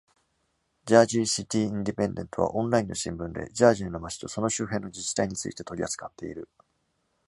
Jersey City Independent は、オンラインの新聞で、Jersey の町とその周辺の自治体について取り扱っている。